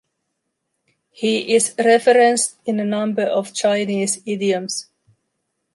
He is referenced in a number of Chinese idioms.